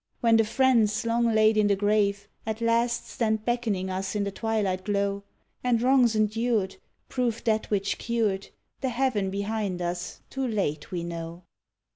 When the friends long laid in the grave, at last, stand beckoning us in the twilight glow, And wrongs endured prove that which cured, the heaven behind us too late we know.